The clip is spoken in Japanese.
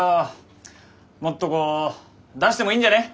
もっとこう出してもいいんじゃね？